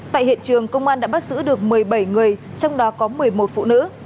tại hiện trường công an đã bắt giữ được một mươi bảy người trong đó có một mươi một phụ nữ